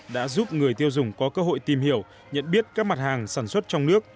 đã giúp người tiêu dùng có cơ hội tìm hiểu nhận biết các mặt hàng sản xuất trong nước